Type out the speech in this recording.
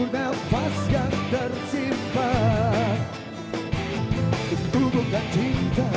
dapatkah aku memeluknya